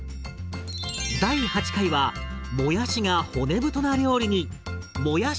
第８回はもやしが骨太な料理に。